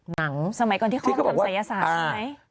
สมัยก่อนที่เขาทำศัยศาสตร์ใช่ไหม